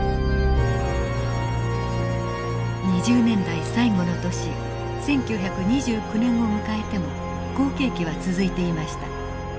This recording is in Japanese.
２０年代最後の年１９２９年を迎えても好景気は続いていました。